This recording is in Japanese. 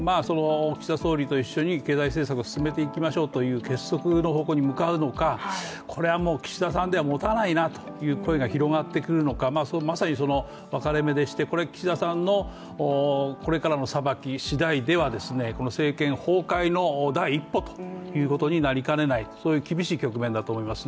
岸田総理と一緒に経済政策進めていきましょうという結束の方向に向かうのかこれはもう岸田さんではもたないなという声が広がってくるのか、まさに分かれ目でして、岸田さんのこれからのさばきしだいでは政権崩壊の第一歩ということになりかねない、そういう厳しい局面だと思います。